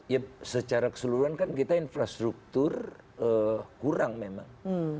ya secara keseluruhan kan kita infrastruktur kurang memang